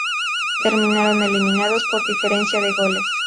Terminaron eliminados por diferencia de goles.